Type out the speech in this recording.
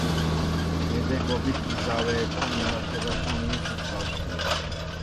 მედეგობით მჟავეებთან მიმართებაში მინის მსგავსია.